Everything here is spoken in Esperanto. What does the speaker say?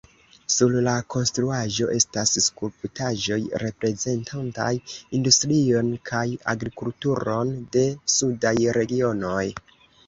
Sur la konstruaĵo estas skulptaĵoj, reprezentantaj industrion kaj agrikulturon de sudaj regionoj.